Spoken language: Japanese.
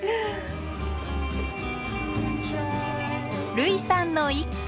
類さんの一句。